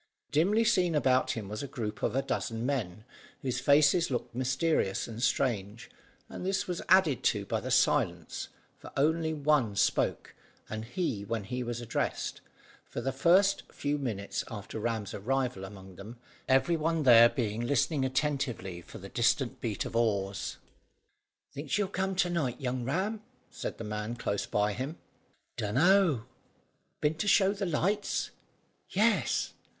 Dimly seen about him was a group of a dozen men, whose faces looked mysterious and strange, and this was added to by the silence, for only one spoke, and he when he was addressed, for the first few minutes after Ram's arrival among them, every one there being listening attentively for the distant beat of oars. "Think she'll come to night, young Ram?" said the man close by him. "Dunno." "Been to show the lights?" "Yes."